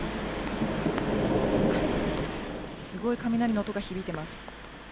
すごい雷の音が響いています。